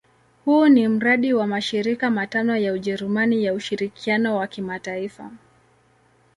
Huu ni mradi wa mashirika matano ya Ujerumani ya ushirikiano wa kimataifa.